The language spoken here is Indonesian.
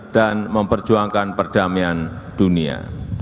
dan memperjuangkan perdamaian dunia